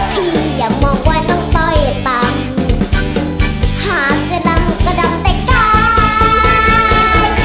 พี่อย่ามองว่าน้องต้อยตามหาเสือลำก็ดำแต่กาย